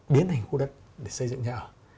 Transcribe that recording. biến thành khu đất để xây dựng nhà ở